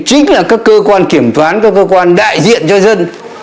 chính là các cơ quan kiểm toán các cơ quan đại diện cho dân